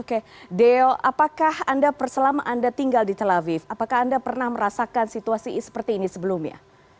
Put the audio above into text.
oke deo apakah anda perselama anda tinggal di tel aviv apakah anda pernah merasakan situasi seperti ini sebelumnya